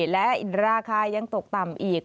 และราคายังตกต่ำอีก